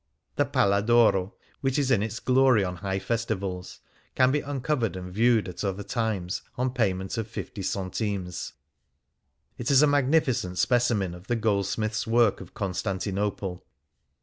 The Pala d' Oro, which is in its glory on high festivals, can be uncovered and viewed at other times on payment of 50 centimes. It is a magnificent specimen of the goldsmiths' work of Constantinople.